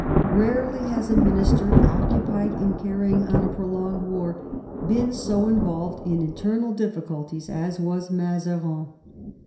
Karely has a minister, occupied in carrying on a prolonged war, been so involved in internal difficulties as was Mazarin.